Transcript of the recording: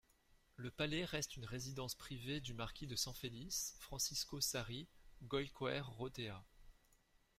Le palais reste une résidence privée du marquis de San Feliz, Francisco Sarri Goicoerrotea.